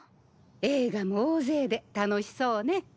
映画も大勢で楽しそうね。